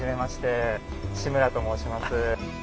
志村と申します。